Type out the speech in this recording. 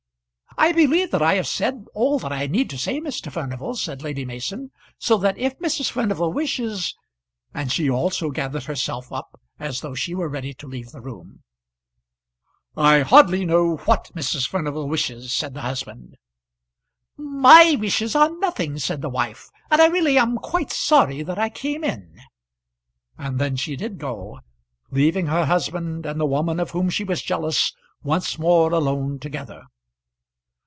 "I believe that I have said all that I need say, Mr. Furnival," said Lady Mason; "so that if Mrs. Furnival wishes ," and she also gathered herself up as though she were ready to leave the room. "I hardly know what Mrs. Furnival wishes," said the husband. "My wishes are nothing," said the wife, "and I really am quite sorry that I came in." And then she did go, leaving her husband and the woman of whom she was jealous once more alone together.